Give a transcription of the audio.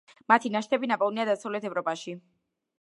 მათი ნაშთები ნაპოვნია დასავლეთ ევროპაში.